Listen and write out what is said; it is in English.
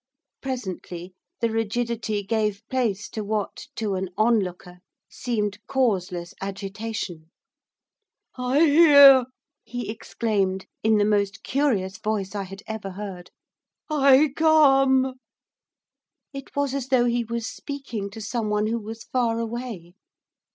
Presently the rigidity gave place to what, to an onlooker, seemed causeless agitation. 'I hear!' he exclaimed, in the most curious voice I had ever heard. 'I come!' It was as though he was speaking to someone who was far away.